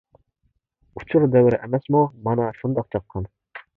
ئۇچۇر دەۋرى ئەمەسمۇ، مانا شۇنداق چاققان.